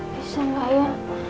bisa gak ya